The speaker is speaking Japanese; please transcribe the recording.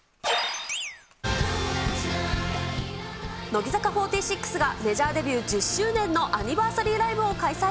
乃木坂４６が、メジャーデビュー１０周年のアニバーサリーライブを開催。